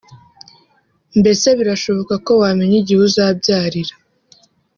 Mbese birashoboka ko wamenya igihe uzabyarira